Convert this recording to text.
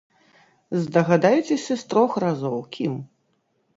Здагадайцеся з трох разоў, кім?